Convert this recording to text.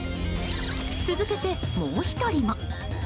続けて、もう１人も。